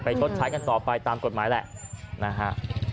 ชดใช้กันต่อไปตามกฎหมายแหละนะฮะ